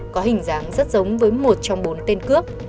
có hình dáng rất giống với một trong bốn tên cướp